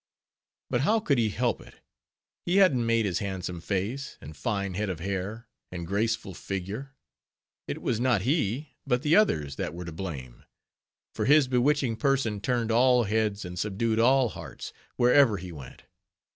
But how could he help it? He hadn't made his handsome face, and fine head of hair, and graceful figure. It was not he, but the others, that were to blame; for his bewitching person turned all heads and subdued all hearts, wherever he went.